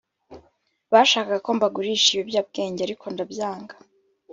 bashakaga ko mbagurisha ibiyobyabwenge, ariko ndabyanga